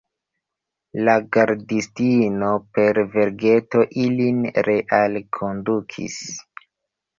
La gardistino, per vergeto ilin realkondukis.